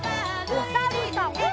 おさるさん。